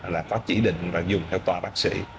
là có chỉ định là dùng theo tòa bác sĩ